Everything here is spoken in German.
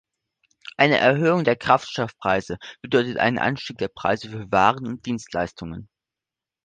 Eine Erhöhung der Kraftstoffpreise bedeutet einen Anstieg der Preise für Waren und Dienstleistungen.